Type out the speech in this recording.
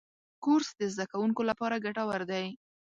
کورس د زدهکوونکو لپاره ګټور دی.